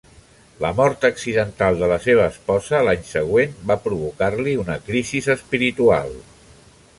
La mort accidental de la seva esposa l'any següent va provocar-li una crisi espiritual.